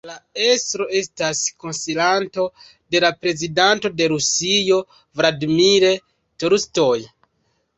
La estro estas konsilanto de la Prezidanto de Rusio Vladimir Tolstoj.